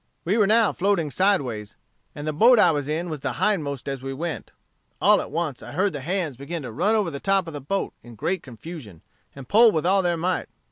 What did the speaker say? "We were now floating sideways, and the boat I was in was the hindmost as we went. All at once I heard the hands begin to run over the top of the boat in great confusion, and pull with all their might.